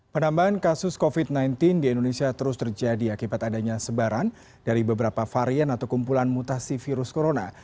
penambahan kasus covid sembilan belas di indonesia terus terjadi akibat adanya sebaran dari beberapa varian atau kumpulan mutasi virus corona